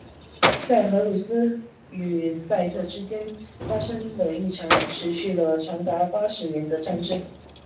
在荷鲁斯与赛特之间发生了一场持续了长达八十年的战斗。